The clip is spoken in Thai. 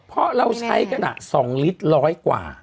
เพราะเราใช้กัน๒ลิตรร้อยกว่า